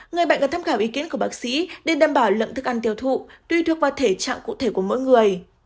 người bệnh cần tham khảo ý kiến của bác sĩ để đảm bảo lượng thức ăn tiêu thụ tuy thuộc vào thể trạng cụ thể của mỗi người